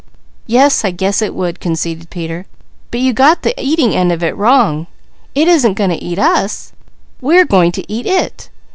"Yes I guess it would," conceded Peter. "But you got the eating end of it wrong. It isn't going to eat us, we are going to eat it.